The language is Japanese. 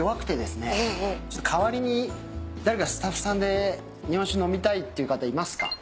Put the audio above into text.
代わりに誰かスタッフさんで日本酒飲みたいっていう方いますか？